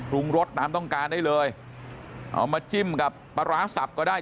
รสตามต้องการได้เลยเอามาจิ้มกับปลาร้าสับก็ได้